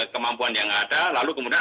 kemampuan yang ada lalu kemudian